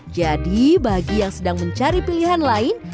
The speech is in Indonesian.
jadi bagi yang sedang mencari pilihan lain